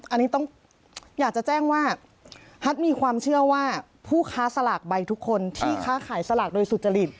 อันนี้ต้องอยากจะแจ้งว่าฮัทมีความเชื่อว่าผู้ค้าสลากใบทุกคนที่ค้าขายสลากโดยสุจริต